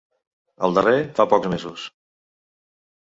El darrer, fa pocs mesos.